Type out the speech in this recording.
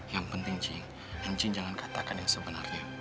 yang penting cing jangan katakan yang sebenarnya